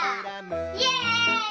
イエイ！